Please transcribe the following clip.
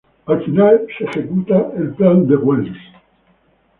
Al final se ejecuta el plan de Wells